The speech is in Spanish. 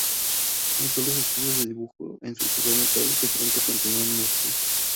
Comenzó los estudios de dibujo en su ciudad natal, que pronto continuó en Murcia.